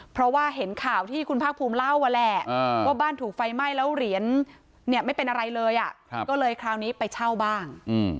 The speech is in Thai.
เพราะว่าเห็นข่าวที่คุณภาคภูมิเล่าว่าแหละว่าบ้านถูกไฟไหม้แล้วเหรียญไม่เป็นอะไรเลยก็เลยคราวนี้ไปเช่าบ้าง